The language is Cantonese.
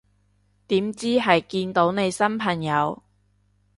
點知係見到你新朋友